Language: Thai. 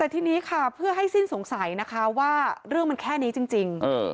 แต่ทีนี้ค่ะเพื่อให้สิ้นสงสัยนะคะว่าเรื่องมันแค่นี้จริง